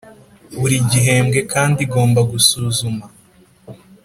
Buri gihembwe kandi igomba gusuzuma